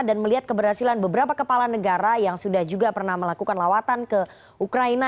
dan melihat keberhasilan beberapa kepala negara yang sudah juga pernah melakukan lawatan ke ukraina